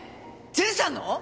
善さんの！？